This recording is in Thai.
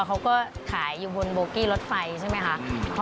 เขาก็ขายอยู่บนโบกี้รถไฟใช่ไหมคะ